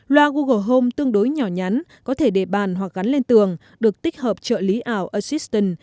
loa google home tương đối nhỏ nhắn có thể để bàn hoặc gắn lên tường được tích hợp trợ lý ảo assistant